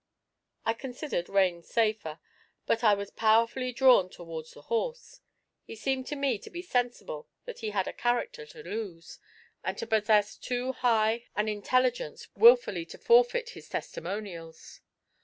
I considered reins safer, but I was powerfully drawn towards the horse: he seemed to me to be sensible that he had a character to lose, and to possess too high an intelligence wilfully to forfeit his testimonials.